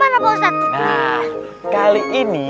kali ini kita tada berantem di bawang contoh umpamu